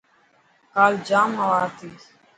ڪال ڄام هوا هتي.